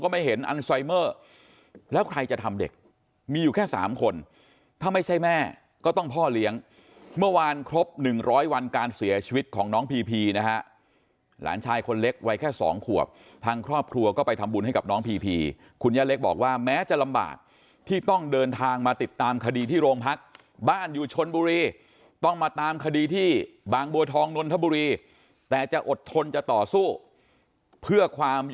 ไม่เห็นอันไซเมอร์แล้วใครจะทำเด็กมีอยู่แค่สามคนถ้าไม่ใช่แม่ก็ต้องพ่อเลี้ยงเมื่อวานครบ๑๐๐วันการเสียชีวิตของน้องพีพีนะฮะหลานชายคนเล็กวัยแค่สองขวบทางครอบครัวก็ไปทำบุญให้กับน้องพีพีคุณย่าเล็กบอกว่าแม้จะลำบากที่ต้องเดินทางมาติดตามคดีที่โรงพักบ้านอยู่ชนบุรีต้องมาตามคดีที่บางบัวทองนนทบุรีแต่จะอดทนจะต่อสู้เพื่อความ